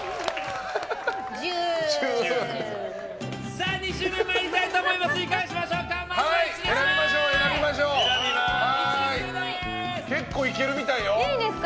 さあ２週目いきたいと思います！